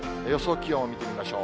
気温を見てみましょう。